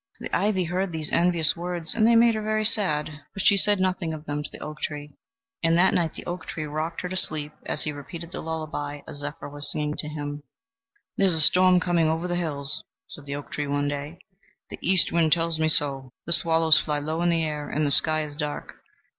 The ivy heard these envious words, and they made her very sad; but she said nothing of them to the oak tree, and that night the oak tree rocked her to sleep as he repeated the lullaby a zephyr was singing to him. "There is a storm coming over the hills," said the oak tree one day. "The east wind tells me so; the swallows fly low in the air, and the sky is dark.